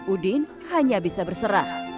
udin hanya bisa berserah